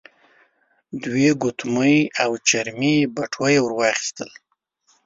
دوې ګوتمۍ او چرمې بټوه يې ور واخيستل.